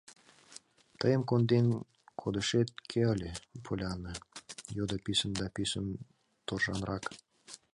— Тыйым конден кодышет кӧ ыле, Поллианна? — йодо писын да пӱсын, торжанрак.